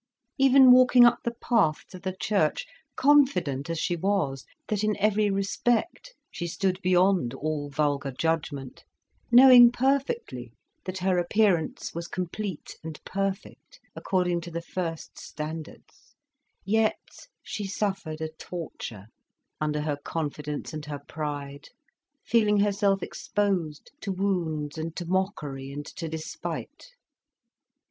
Even walking up the path to the church, confident as she was that in every respect she stood beyond all vulgar judgment, knowing perfectly that her appearance was complete and perfect, according to the first standards, yet she suffered a torture, under her confidence and her pride, feeling herself exposed to wounds and to mockery and to despite.